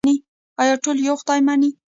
آیا ټول یو خدای مني؟